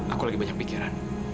aku lagi banyak pikiran